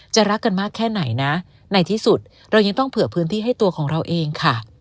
รักกันมากแค่ไหนนะในที่สุดเรายังต้องเผื่อพื้นที่ให้ตัวของเราเองค่ะ